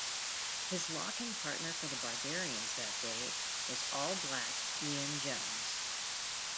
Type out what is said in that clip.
His locking partner for the Barbarians that day was All Black Ian Jones.